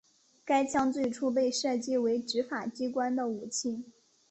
该枪最初被设计为执法机关的武器。